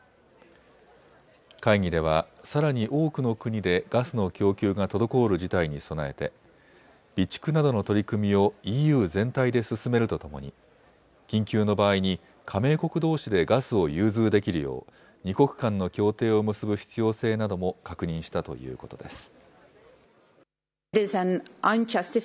会議ではさらに多くの国でガスの供給が滞る事態に備えて備蓄などの取り組みをＥＵ全体で進めるとともに緊急の場合に加盟国どうしでガスを融通できるよう２国間の協定を結ぶ必要性なども確認したということです。